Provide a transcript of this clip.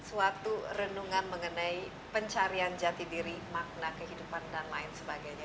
suatu renungan mengenai pencarian jati diri makna kehidupan dan lain sebagainya